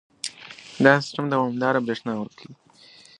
دا سیستم دوامداره برېښنا ورکوي.